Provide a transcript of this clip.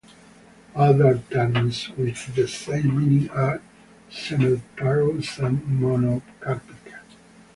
Other terms with the same meaning are "semelparous" and "monocarpic".